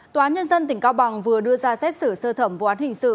tòa nhân dân tỉnh cao bằng vừa đưa ra xét xử sơ thẩm vụ án hình sự